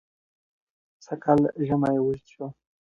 سژ کال ژمى وژد سو